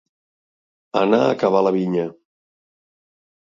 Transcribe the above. Anar a cavar a la vinya.